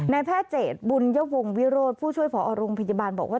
แพทย์เจตบุญยวงวิโรธผู้ช่วยผอโรงพยาบาลบอกว่า